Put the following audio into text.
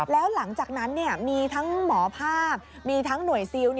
แล้วหลังจากนั้นมีทั้งหมอภาคมีทั้งหน่วยซิล